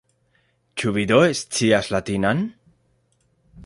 Ĉu vi do scias latinan?